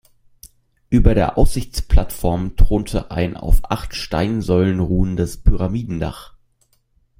Über der Aussichtsplattform thronte ein auf acht Steinsäulen ruhendes Pyramidendach.